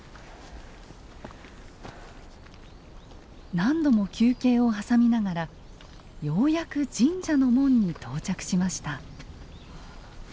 何度も休憩を挟みながらようやく神社の門に到着しました。